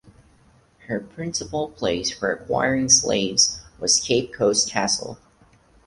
Her principal place for acquiring slaves was Cape Coast Castle.